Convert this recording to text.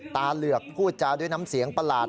ตามันต้องเลือกพูดจองมันเพิ่งเมื่อกลับมา